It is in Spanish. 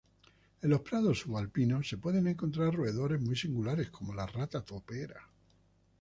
En los prados subalpinos se pueden encontrar roedores muy singulares, como la rata topera.